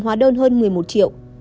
hóa đơn hơn một mươi một triệu